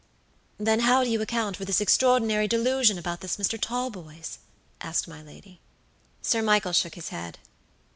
"Then how do you account for this extraordinary delusion about this Mr. Talboys?" asked my lady. Sir Michael shook his head.